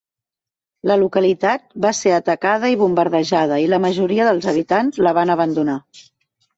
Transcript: La localitat va ser atacada i bombardejada i la majoria dels habitants la van abandonar.